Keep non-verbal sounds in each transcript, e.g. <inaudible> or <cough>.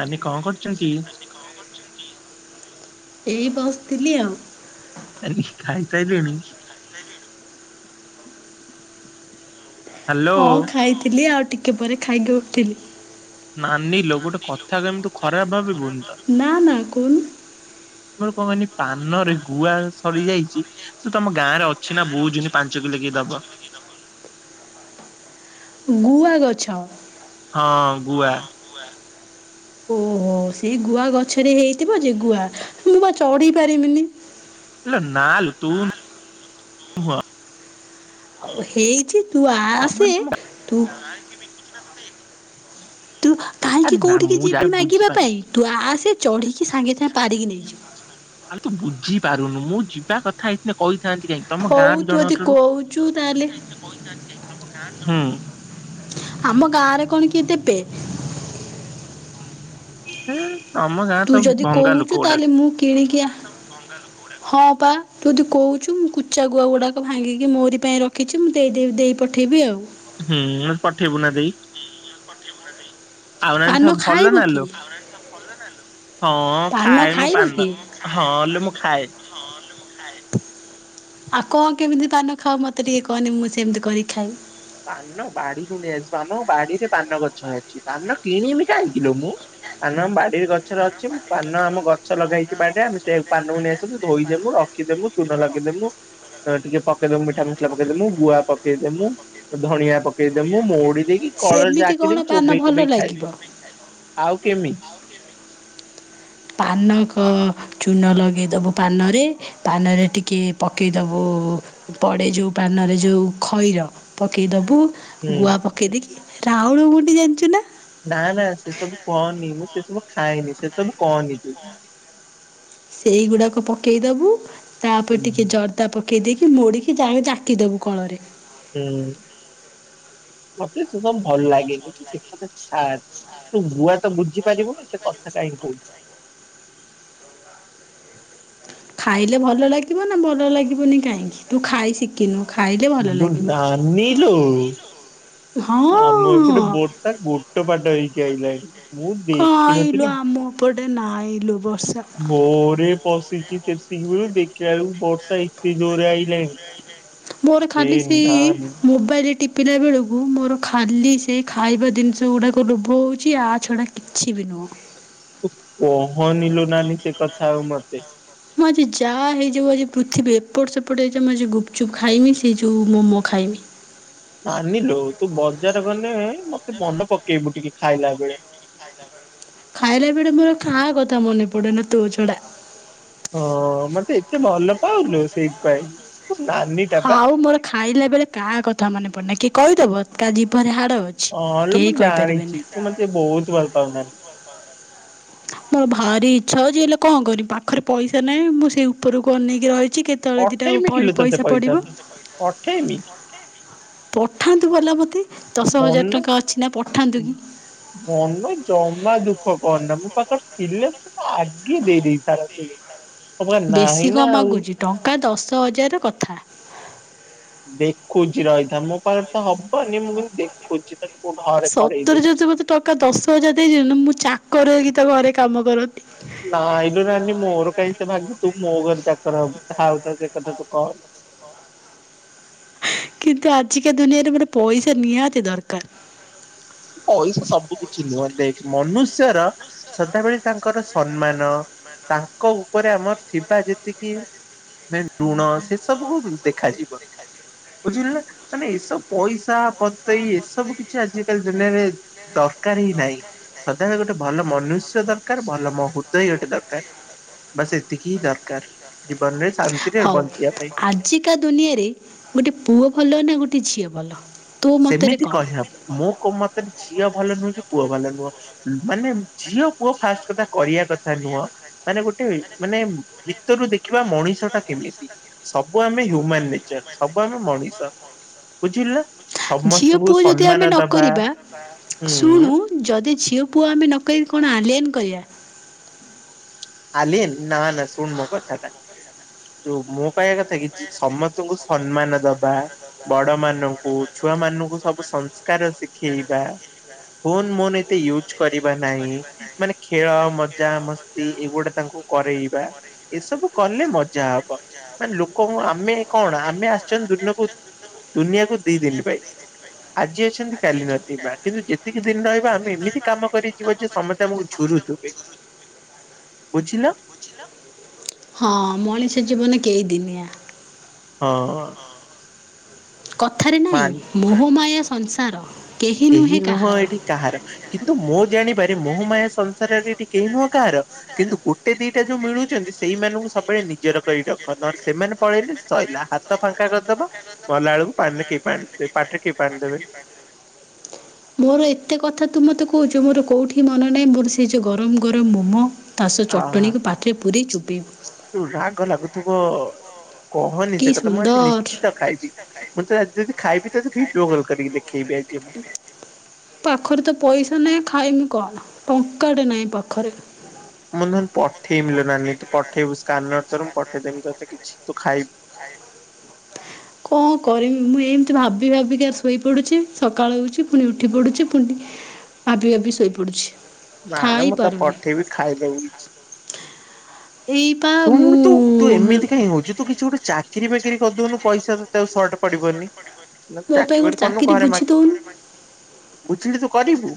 ନାନୀ କଣ କରୁଛନ୍ତି। ଏଇ ବସିଥିଲି ଆଉ ଆରେ ଖାଇ ସାଇଲୁଣି? <inaudible> ହଁ ଖାଇଥିଲି ଆଉ ଟିକେ ପରେ ଖାଇକି ଉଠିଲି। ନାଁ। ନି ଲୋ ଗୋଟେ କଥା କଇମି ତୁ ଖ ଖରାପ ଭାବିବୁନି? ନା ନା କହୁଁନୁ? ତର କଣ କହନି ପାନରେ ଗୁଆ ସରିଯାଇଛି ତ ତମ ଗାଁ ରେ ଅଛି ନା ବୋଉଝିନ ପାଞ୍ଚ କିଲୋ କିଏ ଦବ। <inaudible> ଗୁଆ ଗଛ? ହଁ ଗୁଆ। ଓହୋ ସେ ଗୁଆ ଗଛରେ ହେଇଥିବ ଯେ ଗୁଆ ମୁଁ ବା ଚଢି ପାରିବିନି। ନା ଲୋ ତୁ ନୁହଁ। ହେଇଛି ତୁ ଆ ଆସେ ତୁ ତୁ କାହିଁକି କୋଉଠିକି ଯିବି ମାଗିବା ପାଇଁ ତୁ ଆସେ ଚଢିକି ସାଙ୍ଗେ ସାଙ୍ଗେ ପାରିକି ନେଇଛୁ। ତୁ ବୁଝି ପାରୁନୁ ମୁଁ ଯିବା କଥା ଏ କହିି ହଉ ତୁ ଯଦି କହୁଛୁ ତାହେଲେ <inaudible> ଆମ ଗାଁରେ କଣ କିଏ ଦେବେ। ହୁଁ। ତୁ ଯଦି କହୁଛୁ ତାହେଲେ ମୁଁ କିଣିକି ଆ ହଁ ପା ଯଦି କହୁଛୁ ମୁଁ କୁଚା ଗୁଆ ଗୁଡାକ ଭାଙ୍ଗିକି ମୋରି ପାଇଁ ରଖିଛି ମୁଁ ଦେଇବି ଦେଇ ପଠେଇବି ଆଉ। ହୁଁ ପାଠେଇବୁନା ଦେଇ? ଆଉ ନ ସବୁ ଭଲ ନା ଲୋ ହଁ ଖାଏ ମୁଁ ପାନ ହଁ ଲୋ ମୁଁ ଖାଏ। କେମିତି ପାନ ଖାଉ ମତେ ଟିକେ କହନି ମୁଁ ସେମିତି କରି ଖାଇ ପାନ ବାଡିରୁୁ ନେଇ ଆସିବୁ ଆମ ବାଡିରେ ପାନ ଗଛ ଅଛି ପାନ କିଣିବି ଖାଇଁକି ଲୋ ମୁଁ ପାନ ଆମ ବାଡିରେ ଗଛରେ ଅଛି ମୁଁ ପାନ ଆମ ଗଛ ଲଗେଇଛି ବାଡିରେ ଆମେ ସେ ପାନକୁ ନେଇ ଆସୁୁ ଧୋଇଦମୁ ରଖିଦମୁ ଚୁନ ଲଗେଇଦେବୁ ଟିକେ ପକେଇଦବୁ ମିଠା ମସଲା ପକେଇଦମୁ ଗୁଆ ପକେଇଦମୁ। ଧଣିଆ ପକେଇଦବୁ ମୁଁ ମଉଡି ଦେଇକି କଳ ଜାକିରେ ହ ଚୋବେଇ ଚୋବେଇ ଖାଇବି ଆଉ। କେମିତି? ପାନକ ଚୂନ ଲଗାଇଦବୁ ପାନରେ ପାନରେ ଟିକେ ପକେଇଦବୁ ପଡ଼େ ଯେଉଁ ପାନରେ ଯେଉଁ ଖଇର ପକାଇଦବୁ ଗୁଆ ପକେଇ ଦେଇକି ରାଉଳଗୁଣ୍ଡି ଜାଣିଛୁ ନା? ନା ନା ସେ ସବୁ କହନି ମୁଁ ସେ ସବୁ ଖାଇନି ସେ ସବୁ କହନି ତୁ ସେଇଗୁଡାକ ପକେଇଦବୁ ତାପରେ ଟିକେ ଜରଦା ପ ପକେଇ ଦେଇକି ମୋଡିକି ଯାକିଦବୁ କଳରେ ହୁଁ ମତେ ଶ ଭଲ ଲାଗେ କିନ୍ତୁ ସେ କଥା ଛା ତୁ ଭୁଆ ତ ବୁଝିପାରିବୁ ନା। ଏତେ କଥା କାହିଁ କହୁଛୁ? ଖାଇଲେ ଭଲ ଲାଗିବ ନା ଭଲ ଲାଗିବନି କାହିଁକି ତୁ ଖାଇ ଶିଖିନୁ ଇଲୋ ନାନୀ ଲୋ ହଁ। ହଁ କାଇଲୋ ଆମ ପଟେ ନାଇଲୋ ବର୍ଷା। ବସିଛି ସେତିିକି ବେଳୁ ଦେଖିଲାବେଳୁ ବର୍ଷା ଏତେ ଜୋରେ ଆଇଲାଣି। ମୋର ଖାଲି ସେଇ ମୋବାଇଲଟି ପିଲା ବେଳକୁ ମୋର ଖାଲି ସେ ଖାଇବା ଜିନିଷ ଗୁଡ଼ାକ ଲୋଭ ହେଉଛି ଆ ଛଡ଼ା କିଛି ବି ନୁହଁ। କହ ନି ଲୁ ନାନି ସେ କଥା ଆଉ ମତେ? ମୁଁ ଆଜି ଯାହା ହେଇଯିବ ଆଜି ପୃଥିବୀ ଏପଟ ସେପଟ ହେଇଯା ମୁଁ ଆଜି ଗୁପଚୁପ୍ ଖାଇମି ସେ ଯେଉଁ ମୋମୋ ଖାଇମି। ମାନିଲୁ ତୁ ବଜାର ଗଲେ ମତେ ମନେ ପକେଇବୁ ଟିକେ ଖାଇଲା ବେଳେ ଖାଇଲା ବେଳେ ମୋର ଖାହା କଥା ମନେ ପଡେନ ତୁ ଛଡ଼ା। ହଁ ମତେ ଏତେ ଭଲ ପାଉଲୁ ସେଇଥପାଇଁ। ଆଉ ମୋର ଖାଇଲା ବେଳେ କାହା କଥା ମାନେ ପଡନା କି କହିଦବ ଜିଭରେହା ହଁ ଲେ ମୁଁ ଜାଣିଛି ତୁ ମତେ ବହୁତ ଭଲ ପାଉନାହାନ୍ତି। ମୋର ଭାରି ଇଚ୍ଛା ଯେ ହେଲେ କଣ କରିବି ପାଖରେ ପଇସା ନାହିଁ ମୁଁ ସେଇ ଉପରକୁ ଅନେଇକି ରହିଛି। ପଠେଇମି କିଲୋ ତତେ ପଇସା ମୁ ଅଠେଇମି କି? ପଠାନ୍ତୁ ଭଲା ମୋତେ। ଦଶ ହଜାର ଟଙ୍କା ଅଛି ନା ପଠାନ୍ତୁ କି ମାଁ ଦୁଃ ଦୁଃଖ କରନା ମୋ ପାଖରେ ଥିଲେ ଆଗେ ଦେଇ ଦେଇ ସାରନ୍ତି। ବେଶୀ କନ୍ ମାଗୁଛି ଟଙ୍କା ଦଶ ହଜାର କଥା। ଦେଖୁଚି ରହିଥା ମୁଁ ସତରେ ଯଦି ମତେ ଟଙ୍କା ଦଶ ହଜାର ଦେଇଦଉ ମୁଁ ଚା ଚାକର କର କିି ତ ଘରେ କାମ କର ନାଇଲ ନାନୀ ମୋହର କାଇ ଭାଗ୍ୟେ ତୁ ମୋ ଘରେ ଚାକର ହବୁ। ଥାଉ ତୋ ଚାକର ଟା ତୋ କଣ? କିନ୍ତୁ ଆଜିକା ଦୁନିଆରେ ମୋତେ ପଇସା ନିହାତି ଦରକାର। ପଇସା ସବୁ କିଛି ନୁହ। ଦେଖ ମନୁଷ୍ୟର ସଦାବେଳେ ତାଙ୍କର ସମ୍ମାନ ତାଙ୍କ ଉପରେ ଆମର ଥିବା ଯେତିକି ଋଣ ସେ ସବୁକୁ ଦେଖାଯିବ ବୁଝିଲୁ ନା ମାନେ ଏସବୁ ପଇସା ପତେଇ ଏସବୁ କିଛି ଆ ଜିକାଲି ଦୁନିଆରେ ଦରକାର ହିଁ ନାହିଁ ସଦାବେଳେ ଗୋଟେ ଭଲ ମନୁଷ୍ୟ ଦରକାର ଭଲ ମ ହୃଦୟ ହି ଗୋଟେ ଦରକାର। ବାସ୍ ଏତିକି ହିଁ ଦରକାର ଜୀବନରେ ହଉ ଆଜିକା ଦୁନିଆରେ ଗୋଟେ ପୁଅ ଭଲ ନା ଗୋଟେ ଝିଅ? ଭଲ। ସେମିତି କହିହେବ ମୁଁ କୋ ମତରେ ଝିଅ ଭଲ ନୁହଁ କି ପୁଅ ଭଲ ନୁହଁ ମାନେ ଝିଅ ପୁଅ ଫାଷ୍ଟ କଥା କରିବା କଥା ନୁହଁ ମାନେ ଗୋଟେ ମାନେ ଭିତରୁ ଦେଖିବା ମଣିଷ ଟା କେମିତି ସବୁ? ବୁ ଆମେ ହ୍ୟୁମାନ ନେଚର ସବୁ ଆମେ ମଣିଷ ବୁଝିଲୁନା। ଝିଅ ପୁଅ ଯଦି ଆମେ ନ କରିବା ଶୁଣୁ ଯଦି। ଝିଅ ପୁଅ ଆମେ ନକରି କଣ ଆଲିଆନ୍ କରିବା। ଆଲିଏନ ନା ନା ସୁୁଣ ମୋକଥା। ମୁଁ କହିବା କଥା କି ସି ସମସ୍ତଙ୍କୁ ସମ୍ମାନ ଦବା। ବଡ ମାନଙ୍କୁ ଛୁଆ ମାନଙ୍କୁ ସବୁ ସଂସ୍କାର ଶିଖେଇବା। ଫୋନ ମୋନ ଏତେ ୟୁଜ କରିବା ନାହିଁ। ମାନେ ଖେଳ ମଜା ମସ୍ତି ଏଇଗୁଟେ ତାଙ୍କୁ କରେଇବା। ଏସବୁ କଲେ ମଜା ହବ ମାନେ ଲୋକଙ୍କୁ ଆମେ କଣ ଆମେ ଆସିଚନ୍ତି ଦୁକୁ ଦୁନିଆକୁ ଦି ଦିନ ପାଇଁ। ଆଜି ଅଛନ୍ତି କାଲି ନଥିବା କିନ୍ତୁ ଯେତିକି ଦିନ ରହିବା ଆମେ ଏମିତି କାମ କରି ଯିବ ଯେ ସମସ୍ତେ ଆମକୁ ଝୁରୁଥିବେ। ବୁଝିଲ। ହଁ ମଣିଷ ଜୀବନ କେଇ ଦିନିଆ? ହଁ। କଥାରେ ନାଇଁ ମୋହ ମାୟା ସଂସାର। କେହି ନୁହଁ ଏଠି କାହାର କିନ୍ତୁ ମୁଁ ଜାଣି ବାରେ ମହୋମାୟା ସଂସାରରେ ଟିକ କେହି ନୁହଁ କାହାର। କିନ୍ତୁ ଗୋଟେ ଦିଇଟ ଟା ଯଉ ମିଳୁଚନ୍ତି ସେଇମାନଙ୍କୁ ସବୁବେଳେ ନିଜର କରି ରଖ। ନହଲେ ସେମାନେ ପଳେଇଲେ ସଇଲା ହାତ ଫାଙ୍କା କରିଦବ ମଲା ବେଳକୁ ପାରେ କେହି ପାବେ ପାଟିରେ କେହି ପାଣି ଦେବେନି। ମୋର ଏତେ କଥା ତୁ ମତେ କହୁଚୁ, ମୋର କୋଉଠି ମନ ନାହିଁ ମୋର ସେଇ ଯୋଉ ଗରମ ଗରମ ମୋମୋ ତା ସହ ଚଟଣଣିକୁ ପାାତରେ ପୁରଇ ଚୁପ୍ ବି ରାଗ ଲାଗୁଥିବ। ଓ। କହନି ସେ କଥା ମୁଁ ଆଜି ନିଶ୍ଚିତ ଖାଇବି ମୁଁ ତ ଯଦି ଖାଇବି ତତେ ଭିଡିଓ କଲ କରିକି ଦେଖେଇବି ଆଜି। କଣ ଟଙ୍କାଟେ ନାହିଁ ପାଖରେ। ମୁଁ ନହଲେ ପଠେଇମି ଲୋ ନାନୀ ତୁ ପଠେଇବୁ ସ୍କାନର। ର ପଠେଇଦେବି ତତେ କିଛି ତୁ ଖାଇବୁ କଣ କରିମି ମୁଁ ଏମିତି ଭାବି ଭାବିକି ଆ ଶୋଇ ପଡୁଚି ସକାଳ ହଉଚି ପୁଣି ଉଠି ପଡୁଛି ପୁଣି ଭାବି ଭାବି ଶୋଇ ପଡୁଚି। ନା ନା ମୁଁ ତ ପଠେଇ ବି ଖାଇଦବୁ କିଛି। ଶୁଣୁ ତୁ ତୁ ଏମିତି କହିଁ ହଉଚୁ ତୁ କିଛି ଗୋଟେ ଚାକ ଚାକିରି ବାକିରି କରିଦଉନୁ ପଇସା ତତେ ଆଉ ସର୍ଟ ପଡିବନି। ମୋ ପାଇଁ ଗୋଟେ ଚାକିରି ବୁଝି ଦଉନୁ। ବୁଝିଲେ ତୁ କରିବୁ?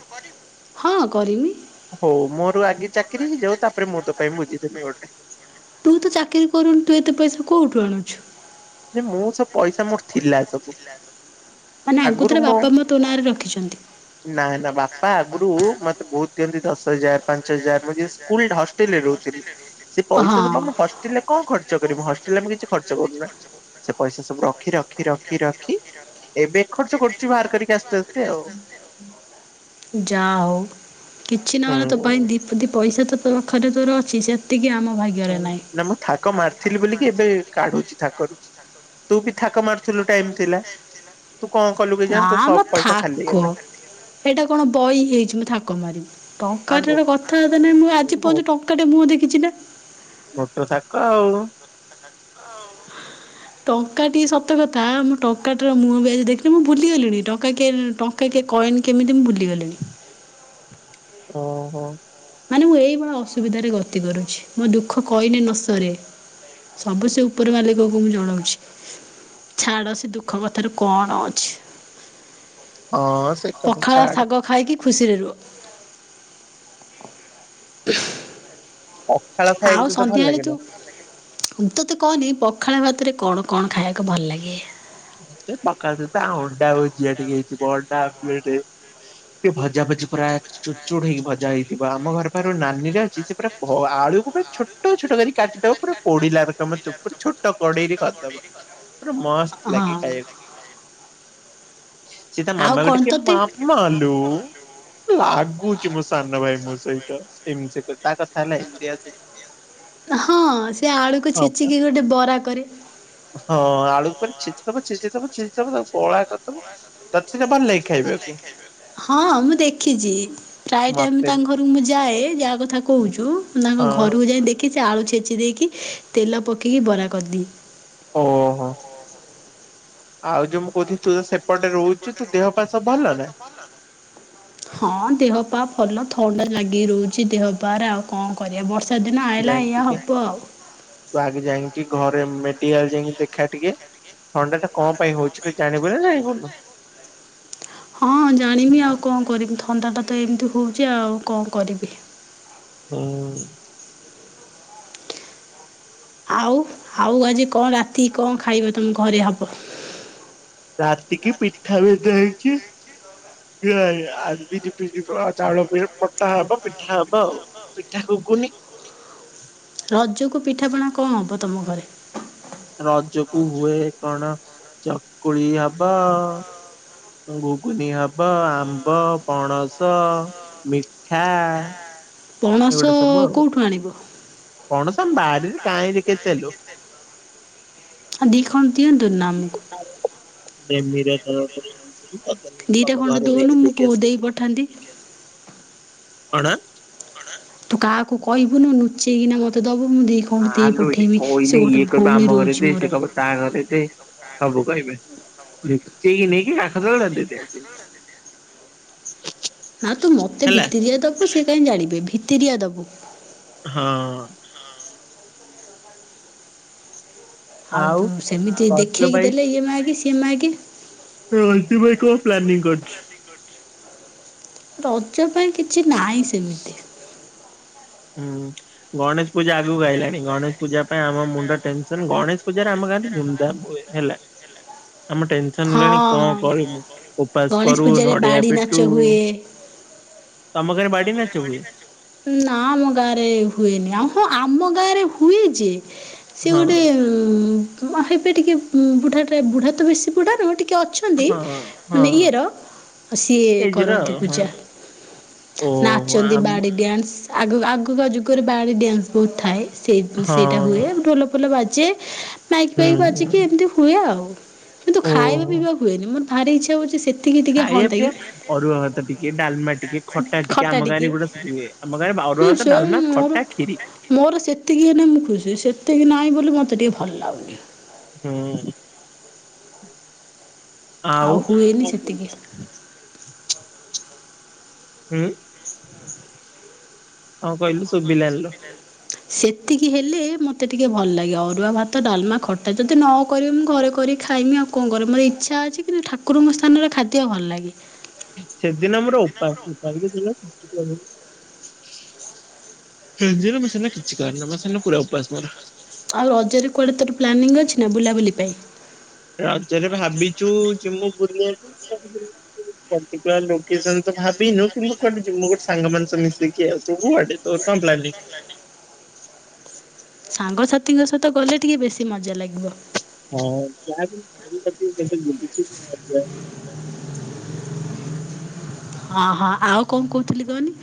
ହଉ ମୋର ଆଗେ ଚାକିରି ହେଇଯାଉ ତାପରେ ମୁଁ ତୋ ପାଇଁ ବୁଝିଦେବି ଗୋଟେ। <inaudible> ମୁଁ ସବୁ ପଇସା ମୋର ଥିଲା ସବୁ। ମାନେ ଆଗତୁରିଆ ବାପା ମା ତୋ ନାଁରେ ରଖିଚନ୍ତି। ନା ଆଗରୁ ନୁହୁ ମତେ ବହୁତ ଦିଅନ୍ତି ଦଶ ହଜାର ପାଞ୍ଚ ହଜାର ମୁଁ ଯ ସ୍କୁଲ ହଷ୍ଟେଲ ରେ ରହୁଥିଲି ସେ ପଇସା ବା ମୁଁ ହଷ୍ଟେଲ ରେ କଣ ଖର୍ଚ୍ଚ କରିବି ହଷ୍ଟେଲରେ ମୁ କିଛି ଖର୍ଚ୍ଚ କରୁନା। ଯା ଆଉ। କିଛି ନହଲେ ତ ପାଇଁ ଦି <unintelligible> ପଇସା ତ ପାଖରେ ତୋର ଅଛି ସେତିକି ହ ନା ମୁଁ ଥାକ ମାରିଥିଲି ବୋଲିକି ଏବେ କାଢୁଚି। ଥାକରୁ ତୁ ବି ଥାକ ମାରୁଥିଲୁ ଟାଇମ୍ ଥିଲା। ନା ମ ଥାକ ଏଇଟା କଣ ବହି ହେଇଚି ମୁଁ ଥାକ କ ମାରିବି। ଟଙ୍କାଟାର କଥାବତା ନାହିଁ ମୁଁ ଆଜି ପହଞ୍ଚି ଟଙ୍କାଟେ ମୁହଁ ଦେଖିଚି ନା? ହଁ। ଟଙ୍କାଟି ସତ କଥା ମୁଁ ଟଙ୍କାଟର ମୁହଁ ବି ଆଜି ଦେଖିଲି ମୁଁ ଭୁଲିଗଲିଣି ଟଙ୍କା କିଏ ଟଙ୍କା କିଏ କଏନ୍ କେମିତି ମୁଁ ଭୁଲିଗଲିଣି। ଓହୋ। ମାନେ ମୁଁ ଏଇଭଳି ଅସୁବିଧାରେ ଗତି କରୁଛି ମୋ ଦୁଃଖ କହିନେ ନ ସରେ ସବୁ ସେ ଉପର ମାଲିକକୁ ମୁଁ ଜଣାଉଚି ଛାଡ଼ ସେ ଦୁଃଖ କଥାରୁ କଣ ଅଛି। ହଁ ସେ କଥା ଛାଡ଼େ। ଖୁସିରେ ରୁହ। ଆଉ ସନ୍ଧ୍ୟାବେଳେ ତୁ ତୁ ତତେ କହିନି ପ ପଖାଳ ଭାତରେ କଣ କଣ ଖାଇବାକୁ ଭଲ ଲାଗେ ପଖାଳ ସହିତ ତ ଅଣ୍ଡା ଯିଏ ଟିକି ହେଇଥିବ ଟ ଭଜା ଭଜି ପୁରା ଚୁ ଚୁଟ ହେଇକି ଭଜା ହେଇଥିବ ଆମ ଘର ପାଖରେ ନାନୀଟା ଅଛି ସେ ପୁରା ଆଳୁକୁ ପୁରା ଛୋଟ ଛୋଟ କରି କାଟିଦବ ପୁରା ପୋଡିଲାକମ ପୁର ଛୋଟ କଡେଇରେ କରିଦବ ପୁରା ମସ୍ତ ଲାଗି ଖାଇ ସେ ତା ମାମା କୁ ଡାକେ ମାମାଲୋ ଲାଗୁଛି ମୋ ସାନ ଭାଇ ମୋ ସହିତ ଏମିତି ସେ ତା କଥା ହେଲା ଏମିତିଆ ହଁ ସେ ଆଳୁକୁ ଛେଚିକି ଗୋଟେ ବରା କରେ ହଁ ଆଳୁ ପରି ଛେଚିଦବ ଛେଚିଦବ ଛି ତାକୁ ପଳାେଇ କରିଦବ ତ ନେଇ ଖାଇବେ <unintelligible> ହଁ ମୁଁ ଦେଖିଛି ପ୍ରାୟ ଟାଇମ ତାଙ୍କ ଘରକୁ ମୁଁ ଯାଏ <inaudible> ଥା କହୁଛୁ ତାଙ୍କ ଘରକୁ ଯାଇ ଦେଖିଛି ଆଳୁ ଛେଚି ଦେଇକି ତେଲ ପକେଇକି ବରା କରିଦିଏ ଓହୋ ଆଉ ଯୋଉ ମୁଁ କହୁଥିଲି ତୁ ତ ସେପଟେ ରହୁଛୁ ତୁ ଦେହ ପା ସବୁ ଭଲ ନା ହଁ ଦେହପା ଭଲ ଥଣ୍ଡା ଲାଗି ରହୁଛି ଦେହପାରେ ଆଉ କଣ କରିବା ବର୍ଷ ସେଦିନ ଆଇଲା ଇୟା ହପ ଟିକେ ଘରେ ମେଡିକାଲ ଯାଇକି ଦେଖା ଟିକେ ଥଣ୍ଡାଟା କଣ ପାଇଁ ହଉଛି ତ ଜାଣିବୁ ନାଇ <unintelligible> ହଁ ଜାଣିବି ଆଉ କଣ କରିବି ଥଣ୍ଡା ଟା ତ ଏମିତି ହଉଛି ଆଉ କଣ କରିବି। ହୁଁ। ଆଉ ଆଉ ଆଜି କଣ ରାତି କଣ ଖାଇବା ତମେ ଘରେ ହବ। ରାତିକି ପିଠା ଏବେ ହେଇଛି ଚାଉଳ ପି ପଠା ହବ ପିଠା ହବ ଆଉ ପିଠା ଗୁଗୁନି। ରଜକୁୁ ପିଠାପଣା କଣ ହବ? ତମ ଘରେ ରଜକୁ ହୁଏ କଣ ଚକୁଳି ହବ ଘୁଗୁନି ହବ ଆମ୍ବ ପଣସ ମିଠା ଏଇଗୁଡା ସବୁ ଆଉ। ପଣସ ଆମ ବାଡ଼ିରେ କାହିଁରେ କେତ ଲୋ। ଆ ଦି ଖଣ୍ଡ ଦେମି ର ତୋ ଦିଟା ଖଣ୍ଡ ଦୋଉନୁ, ମୁଁ ପୁଅ ଦେଇ ପଠାନ୍ତି। କଣ? ତୁ କାକୁ କଇବୁନୁ ନୁଚେଇକିନା ମତେ ଦବୁ। ନାଆଲୋ କଇମି, ଇଏ କଇବ ଆମ ଘରେ ଦେ, ସେ କଇବ ତା ଘରେ ଦେ। ସବୁ କହିବେ ଲୁଚେଇକି ନେଇକି କାଖ ତଳେ ରଖି ଦେଇକି ଆସିବୁ। ନା ତୁ ମତେ ଭିତିରିଆ ଦବୁ ସେ କାଇଁ ଜାଣିବେ ଭି ଭିତିରିଆ ଦବୁ। ହଁଅ ଆଉ ତୁ ସେମିତି ଦେଖେଇକି ଦେଲେ ଇଏ ମାଗେ ସିଏ ଇଏ ମାଗେ। ରଜ ପାଇଁ କଣ ପ୍ଲାନିଙ୍ଗ୍ କରିଚୁ? ରଜ ପାଇଁ କିଛି ନାଇଁ ସେମିତି। ହୁଁ ଗଣେଶ ପୂଜା ଆଗୁକୁ ଆଇଲାଣି, ଗଣେଶ ପୂଜା ପାଇଁ ଆମ ମୁଣ୍ଡ ଟେନସନ୍, ଗଣେଶ ପୂଜାରେ ଆମ ଗାଁରେ ଧୁମଧାମ୍ ହୁଏ, ହେଲା। ଆମ ଟେନସନ୍ ହେଲାଣି କଅଁ କରିମୁ, ଓପାସ କରୁ ନଡିଆ ପିଟୁ ତମ ଗାଁରେ ବାଡି ନାଚ ହୁଏ? ନାଁ ଆମ ଗାଁରେ ହୁଏନି, ହଁ ଆମ ଗାଁରେ ହୁଏ ଯେ ସିଏ ଗୋଟେ-ଏ-ଏ ଉଁ-ଉଁ <unintelligible> ଟିକେ ଉଁ ବୁଢାଟା ବୁଢା ତ ବେଶୀ ବୁଢା ନୁହଁ ଟିକ୍ <inaudible> ଅଛନ୍ତି ମାନେ ଇଏର ସିଏ କରନ୍ତି ପୂଜା, ନାଚନ୍ତି ବାଡି ଧ ଡ୍ୟାନ୍ସ, ଆଗ ଆଗକା ଯୁଗରେ ବାଡ଼ି ଡ୍ୟାନ୍ସ ବହୁତ ଥାଏ। ସେଇ ସେଇଟା ହୁଏ ଢ଼ୋଲଫୋଲ ବା ଜେ ମାଇକିଫାଇକି ବାଜିକି ଏମିତି ହୁଏ ଆଉ। କିନ୍ତୁ ଖାଇବାପିଇବା ହୁଏନି ମନ୍ ଭାରି ଇଚ୍ଛା ହୋଉଚି ସେ ଖାଇଆପିଇବା ଅରୁଆ ଭାତ ଟିକେ ଡାଲମା ଟିକେ ଖଟା ଟିକେ ଆମ ଗାଁରେ ଏଗୁଡା ସବୁୁ ହୁଏ। ହୁଁ ସେଇ ମୋର, ମୋର ସେତିକି ହେନେ ମୁଁ ଖୁସି, ସେତିକି ନା ନାହିଁ ବୋଲି ମତେ ଟିକେ ଭଲ ଲାଗୁନି। ହୁଁଉ ଆଉ ହୁଏନି ସେତିକି <inaudible> ହୁଁ। କଣ କହିଲୁ ଶୁଭିଲା ଆଣିଲାନି ଲୋ ସେତିକି ହେ ହେଲେ ମୋତେ ଟିକିଏ ଭଲ ଲାଗେ ଅରୁଆ ଭାତ ଡାଲମା ଖଟା ଯଦି ନ କରିବି ମୁଁ ଘରେ କରି ଖାଇମି ଆଉ କଣ କରିବି ମୋର ଇଚ୍ଛା ଅଛି କିନ୍ତୁ ଠାକୁରଙ୍କ ସ୍ଥାନରେ ଖାଦ୍ୟ ଭଲ ଲାଗେ। ସେଦିନ ଆମର ଉପାସ ଭଲ <unintelligible> କରେନା ମେସିନ୍ ରେ ପୁରା ଉପାସ ମୋର। ଆଉ ରଜରେ କୁଆଡେ ତ ପ୍ଲାନିଂ ଅଛି ନା ବୁଲାବୁଲି ପାଇଁ ରଜରେ ଭାବିଛୁ ଯେ ମୁଁ ବୁଲିବାକୁ ଯିବୁ ଲୋକେସନ ତ ଭାବିନୁ କିନ୍ତୁ କୁଆଡେ ଗୋଟେ ଯିବୁ ଗୋଟେ ସାଙ୍କମାନଙ୍କ ସହ ମିଶକି ଆଉ ତୋର କୁଆଡେ ତୋର କଣ ପ୍ଲାନିଙ୍ଗ? ସାଙ୍ଗସାଥିଙ୍କ ସହିତ ଗଲେ ଟିକେ ବେଶୀ ମଜା ଲାଗେ। ହଁ ଯାହା ବି <inaudible> ହଁ ହଁ ଆଉ କଣ କହୁଥିଲି କହନି